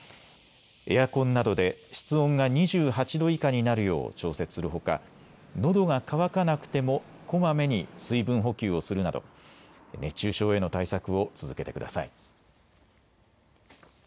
エアコンなどで室温が２８度以下になるよう調節するほかのどが渇かなくてもこまめに水分補給をするなど熱中症への対策を続けてください。